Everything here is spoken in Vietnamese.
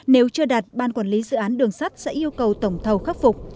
nếu chưa đạt ban quản lý dự án đường sắt sẽ yêu cầu tổng thầu khắc phục